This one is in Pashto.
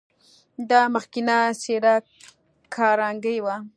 دا مخکښه څېره کارنګي و.